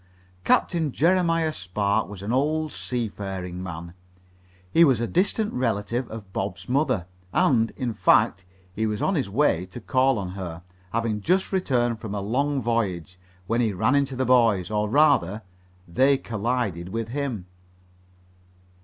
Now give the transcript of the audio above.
Captain Jeremiah Spark was an old seafaring man. He was a distant relative of Bob's mother, and, in fact, he was on his way to call on her, having just returned from a long voyage, when he ran into the boys, or, rather, they collided with him.